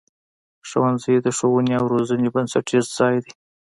ښوونځی د ښوونې او روزنې بنسټیز ځای دی.